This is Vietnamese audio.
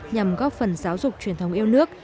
nhằm góp phần giáo dục truyền thống yêu nước